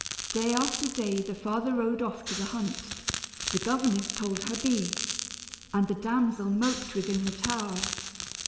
Day after day the father rode off to the hunt, the governess told her beads, and the damsel moped within the tower.